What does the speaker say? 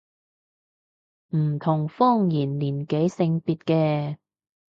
唔同方言年紀性別嘅